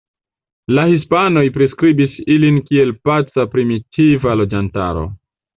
La hispanoj priskribis ilin kiel paca primitiva loĝantaro.